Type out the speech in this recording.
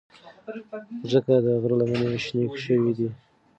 مځکه او غره لمنې شنې شوې دي.